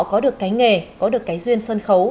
có được cái nghề có được cái duyên sân khấu